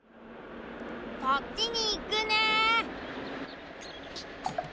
そっちにいくね。